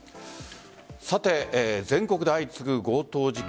全国で相次ぐ強盗事件。